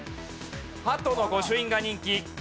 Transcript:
鳩の御朱印が人気。